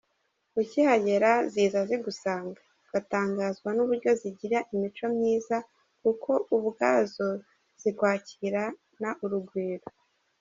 Ukihagera ziza zigusanga, ugatangazwa n’uburyo zigira imico myiza kuko ubwazo zikwakirana urugwiro.